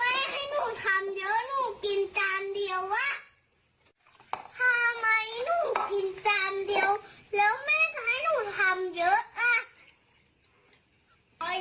ทำไมไม่ให้หนูทำเยอะหนูกินจานเดียวอ่ะ